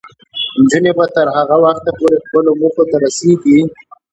نجونې به تر هغه وخته پورې خپلو موخو ته رسیږي.